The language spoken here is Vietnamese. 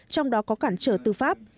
trong đó có cản trở tư pháp